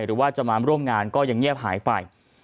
หรือว่าจะมาร่วมงานก็ยังเงียบหายไป